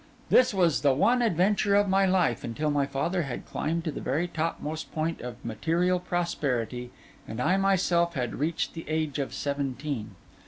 This was the one adventure of my life, until my father had climbed to the very topmost point of material prosperity, and I myself had reached the age of seventeen.